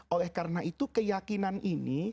oleh karena itu keyakinan ini